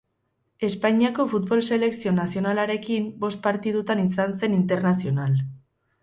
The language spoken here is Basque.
Espainiako futbol selekzio nazionalarekin bost partidutan izan zen internazional.